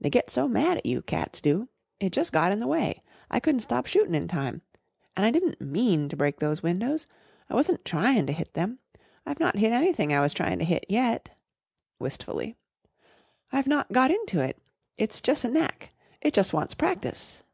They get so mad at you, cats do. It jus' got in the way. I couldn't stop shootin' in time. An' I didn't mean to break those windows. I wasn't tryin' to hit them. I've not hit anything I was trying to hit yet," wistfully. "I've not got into it. It's jus' a knack. It jus' wants practice."